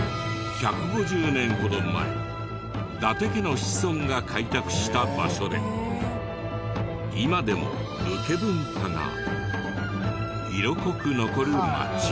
１５０年ほど前伊達家の子孫が開拓した場所で今でも武家文化が色濃く残る町。